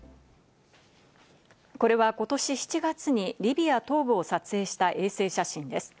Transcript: これはことし７月にリビア東部を撮影した衛星写真です。